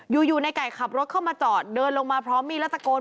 อยู่ในไก่ขับรถเข้ามาจอดเดินลงมาพร้อมมีดแล้วตะโกน